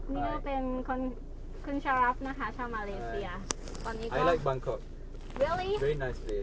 นี่ก็เป็นคุณชาวรับนะคะชาวมาเลเซีย